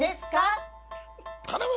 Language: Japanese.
頼む！